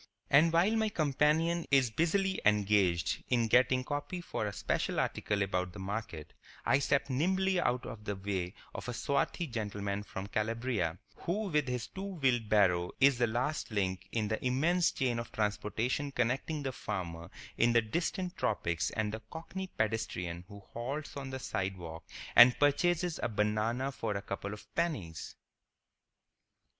And while my companion is busily engaged in getting copy for a special article about the Market, I step nimbly out of the way of a swarthy gentleman from Calabria, who with his two wheeled barrow is the last link in the immense chain of transportation connecting the farmer in the distant tropics and the cockney pedestrian who halts on the sidewalk and purchases a banana for a couple of pennies.